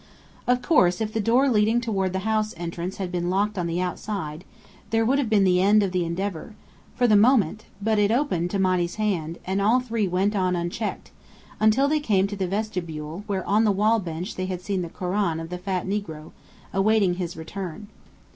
Of course, if the door leading toward the house entrance had been locked on the outside, there would have been the end of the endeavour, for the moment: but it opened to Monny's hand, and all three went on unchecked, until they came to the vestibule, where on the wall bench they had seen the koran of the fat negro, awaiting his return.